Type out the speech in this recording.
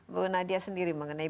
bu nadia sendiri mengenai